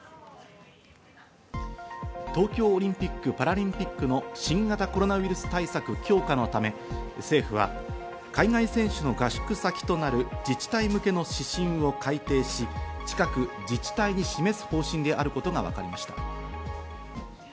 東京オリンピック・パラリンピックの新型コロナウイルス対策強化のため、政府は海外選手の合宿先となる自治体向けの指針を改定し、近く自治体に示す方針であることがわかりました。